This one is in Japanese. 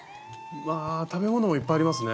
食べ物もいっぱいありますね